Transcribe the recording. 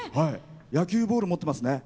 野球ボール持ってますね。